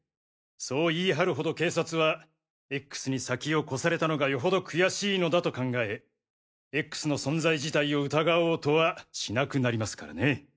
そう言い張るほど警察はＸに先を越されたのがよほど悔しいのだと考えＸの存在自体を疑おうとはしなくなりますからね。